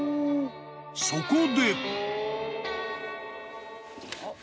［そこで］